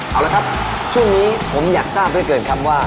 เอาละครับช่วงนี้ผมอยากทราบเหลือเกินครับว่า